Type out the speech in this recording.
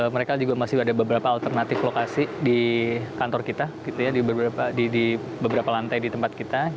mereka juga masih ada beberapa alternatif lokasi di kantor kita di beberapa lantai di tempat kita